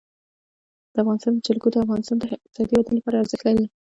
د افغانستان جلکو د افغانستان د اقتصادي ودې لپاره ارزښت لري.